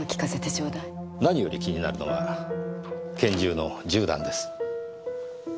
何より気になるのは拳銃の銃弾です。